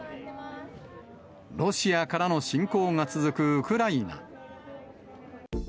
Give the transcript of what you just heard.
ロシアからの侵攻が続くウクライナ。